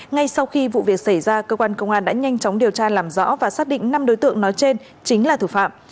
ngay sau khi vụ việc xảy ra cơ quan công an đã nhanh chóng điều tra làm rõ và xác định năm đối tượng nói trên chính là thủ phạm